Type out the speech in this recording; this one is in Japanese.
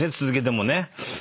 続けてもね。